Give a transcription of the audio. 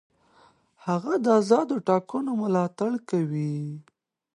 هغه د آزادو ټاکنو ملاتړ کوي.